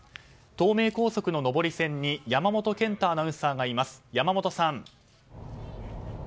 東名高速の上り線に山本賢太アナウンサーがいます。